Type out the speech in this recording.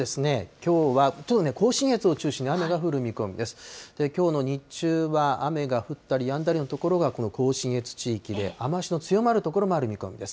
きょうの日中は雨が降ったりやんだりの所がこの甲信越地域で、雨足の強まる所もある見込みです。